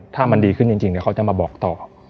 ถ้ามันดีขึ้นจริงเดี๋ยวเขาจะมาบอกต่อ